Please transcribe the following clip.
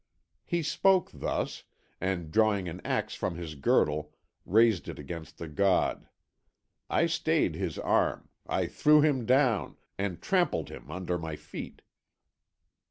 He spoke thus, and drawing an axe from his girdle raised it against the god. I stayed his arm, I threw him down, and trampled him under my feet.